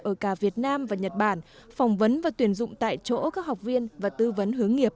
ở cả việt nam và nhật bản phỏng vấn và tuyển dụng tại chỗ các học viên và tư vấn hướng nghiệp